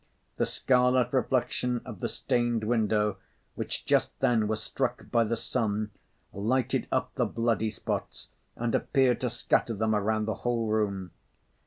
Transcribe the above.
The scarlet reflection of the stained window, which just then was struck by the sun, lighted up the bloody spots and appeared to scatter them around the whole room.